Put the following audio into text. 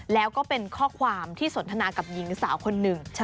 แล้วก็เป็นข้อความที่สนทนากับหญิงสาวคนหนึ่ง